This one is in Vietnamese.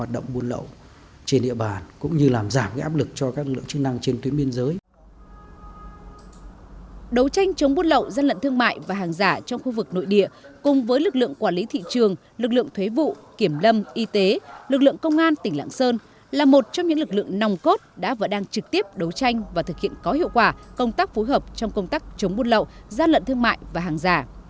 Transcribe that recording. đấu tranh chống bút lậu gian lận thương mại và hàng giả trong khu vực nội địa cùng với lực lượng quản lý thị trường lực lượng thuế vụ kiểm lâm y tế lực lượng công an tỉnh lạng sơn là một trong những lực lượng nòng cốt đã và đang trực tiếp đấu tranh và thực hiện có hiệu quả công tác phối hợp trong công tác chống bút lậu gian lận thương mại và hàng giả